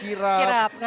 kirap pengantin ya